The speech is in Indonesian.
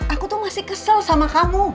aku tuh masih kesel sama kamu